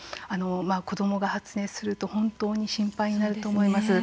子どもが発熱すると本当に心配になると思います。